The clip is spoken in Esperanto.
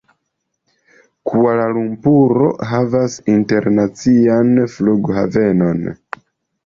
Kuala-Lumpuro havas internacian flughavenon.